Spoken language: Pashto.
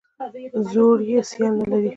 زور یې سیال نه لري.